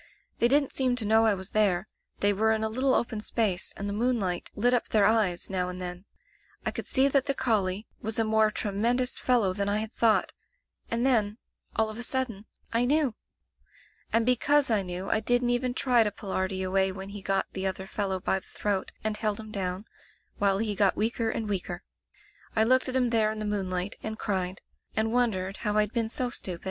They didn't seem to know I was there. They were in a little open space, and the moonlight lit up their eyes now and then. I could see that the collie was a more tremendous fellow than I had thought— and then — all of a sud den — I knew! "And because I knew I didn't even try to pull Artie away when he got the other fellow by the throat, and held him down, while he got weaker and weaker. I looked at him there in the moonlight, and cried, and won dered how rd been so stupid.